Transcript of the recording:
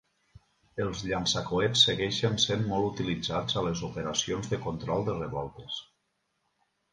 Els llançacoets segueixen sent molt utilitzats a les operacions de control de revoltes.